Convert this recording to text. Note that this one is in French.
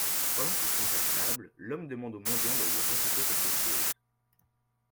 Pendant qu'ils sont à table, l'homme demande au mendiant de lui raconter quelque chose.